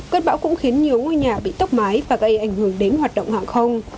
cơn bão cũng khiến nhiều ngôi nhà bị tốc mái và gây ảnh hưởng đến hoạt động hàng không